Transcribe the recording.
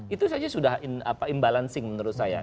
itu saja sudah imbalancing menurut saya